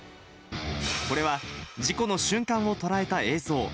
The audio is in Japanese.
これは、事故の瞬間を捉えた映像。